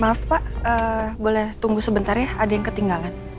maaf pak boleh tunggu sebentar ya ada yang ketinggalan